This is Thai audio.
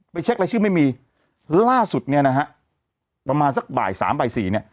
เช็ครายชื่อไม่มีล่าสุดเนี่ยนะฮะประมาณสักบ่ายสามบ่ายสี่เนี่ย